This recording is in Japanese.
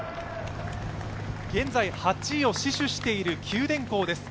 現在、８位を死守している九電工です。